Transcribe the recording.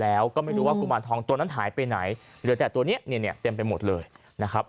แล้วก็ไม่รู้ว่ากุมารทองตัวนั้นหายไปไหนเหลือแต่ตัวนี้เนี่ยเต็มไปหมดเลยนะครับ